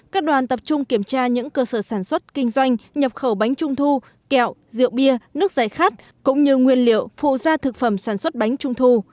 các đoàn tập trung kiểm tra những cơ sở sản xuất kinh doanh nhập khẩu bánh trung thu kẹo rượu bia nước giải khát cũng như nguyên liệu phụ gia thực phẩm sản xuất bánh trung thu